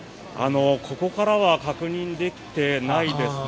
ここからは確認できていないですね。